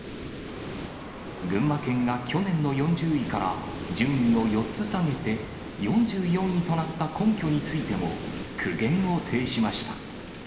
群馬県が去年の４０位から、順位を４つ下げて４４位となった根拠についても、苦言を呈しました。